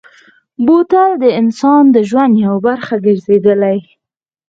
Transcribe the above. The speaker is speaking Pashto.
بوتل د انسان د ژوند یوه برخه ګرځېدلې.